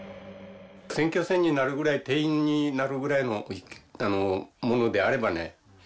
選挙戦になるぐらい定員になるぐらいのものであればね